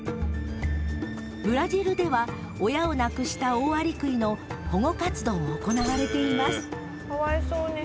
ブラジルでは親を亡くしたオオアリクイの保護活動も行われていますかわいそうに。